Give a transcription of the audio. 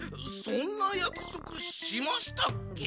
そんなやくそくしましたっけ？